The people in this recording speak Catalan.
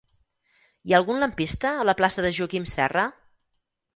Hi ha algun lampista a la plaça de Joaquim Serra?